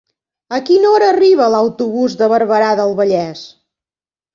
A quina hora arriba l'autobús de Barberà del Vallès?